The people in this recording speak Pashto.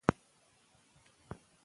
مامورین باید په دقت کار وکړي.